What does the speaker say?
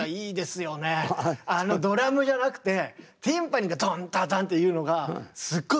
あのドラムじゃなくてティンパニーがドンドドンっていうのがすっごい